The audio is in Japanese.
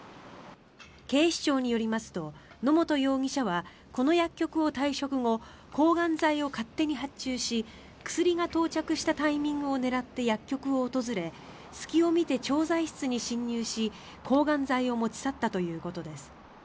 警視庁によりますと野本容疑者はこの薬局を退職後抗がん剤を勝手に発注し薬が到着したタイミングを狙って薬局を訪れ隙を見て調剤室に侵入し抗がん剤を持ち去ったということです。